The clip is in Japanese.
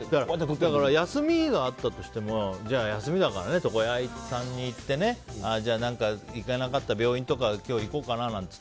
だから休みがあったとしても休みだから床屋さんに行って行けなかった病院とか今日行こうかななんて